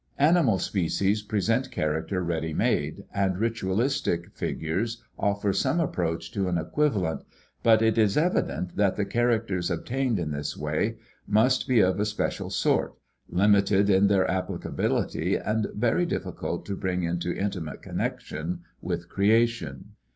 Animal species present character ready made and ritualistic figures offer some approach to an equivalent, but it is evident that the characters obtained in this way must be of a special sort, limited in their applicability, and very difficult to bring into intimate connection with creation.